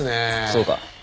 そうか。